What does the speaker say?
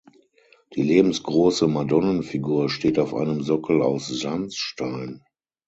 Die lebensgroße Madonnenfigur steht auf einem Sockel aus Sandstein.